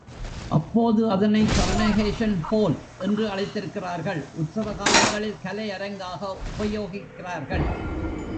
அப்போது அதனை காரனேஷன்ஹால் என்று அழைத்திருக்கிறார்கள், உற்சவ காலங்களில் கலை அரங்காக உபயோகிக்கிறார்கள்.